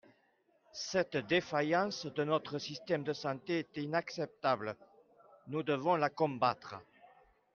Cette défaillance de notre système de santé est inacceptable, nous devons la combattre.